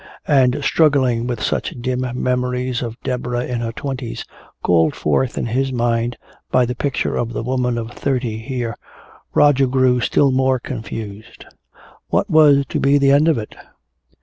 And struggling with such dim memories of Deborah in her twenties, called forth in his mind by the picture of the woman of thirty here, Roger grew still more confused. What was to be the end of it?